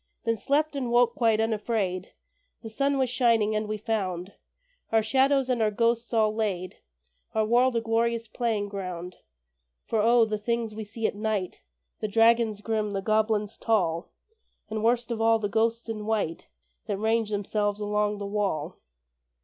Then slept, and woke quite unafraid. The sun was shining, and we found Our shadows and our ghosts all laid, Our world a glorious playing ground. For O! the things we see at night The dragons grim, the goblins tall, And, worst of all, the ghosts in white That range themselves along the wall!